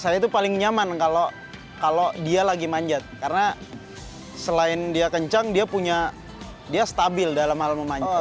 saya itu paling nyaman kalau dia lagi manjat karena selain dia kencang dia punya dia stabil dalam hal memanjat